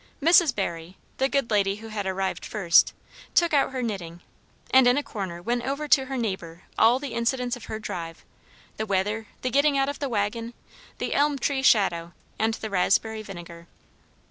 Mrs. Barry, the good lady who had arrived first, took out her knitting, and in a corner went over to her neighbour all the incidents of her drive, the weather, the getting out of the waggon, the elm tree shadow, and the raspberry vinegar.